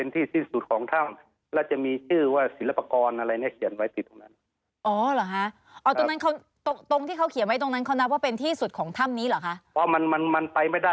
ตรงที่เขาเขียมไว้ตรงนั้นเขานับว่าเป็นที่สุดของถ้ำนี้หรือคะ